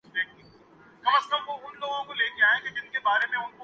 ہنسی خوشی زندگی گزارتا ہوں